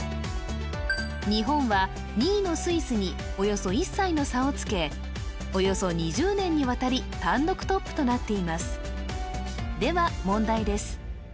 日本は２位のスイスにおよそ１歳の差をつけおよそ２０年にわたり単独トップとなっていますでは問題です